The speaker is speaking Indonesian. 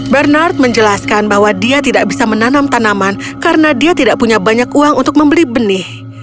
bernard menjelaskan bahwa dia tidak bisa menanam tanaman karena dia tidak punya banyak uang untuk membeli benih